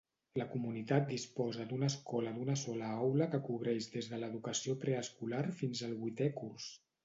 La comunitat disposa d'una escola d'una sola aula que cobreix des de l'educació preescolar fins al vuitè curs.